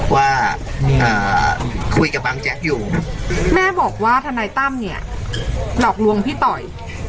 ว่าคุยกับบังแจ๊กอยู่แม่บอกว่าทนายตั้มเนี่ยหลอกลวงพี่ต่อย